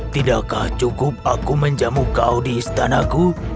tidakkah cukup aku menjamu kau di istanaku